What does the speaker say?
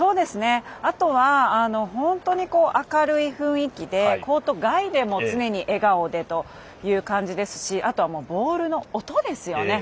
あとは、本当に明るい雰囲気でコート外でも常に笑顔でという感じですしあとは、ボールの音ですよね。